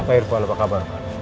pak irfa apa kabar